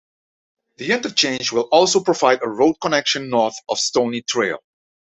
The interchange will also provide a road connection north of Stoney Trail.